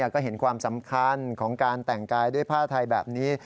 ก็เห็นความสำคัญของการแต่งกายด้วยผ้าไทยแบบนี้